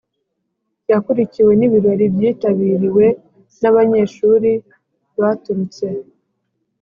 yakurikiwe n’ibirori byitabiriwe n’abanyeshuli baturutse